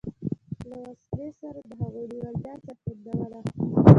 له وسلې سره د هغوی لېوالتیا څرګندوله.